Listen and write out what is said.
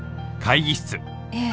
ええ。